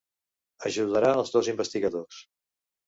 Ajudarà els dos investigadors.